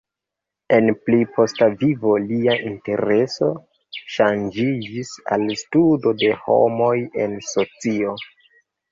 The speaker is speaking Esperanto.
En pli posta vivo lia intereso ŝanĝiĝis al studo de homoj en socio.